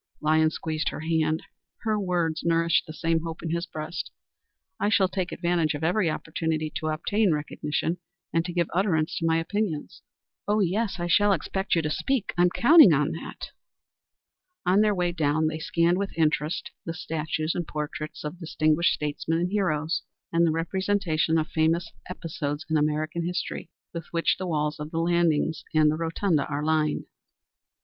Lyons squeezed her hand. Her words nourished the same hope in his own breast. "I shall take advantage of every opportunity to obtain recognition, and to give utterance to my opinions." "Oh yes, I shall expect you to speak. I am counting on that." On their way down they scanned with interest the statues and portraits of distinguished statesmen and heroes, and the representations of famous episodes in American history with which the walls of the landings and the rotunda are lined.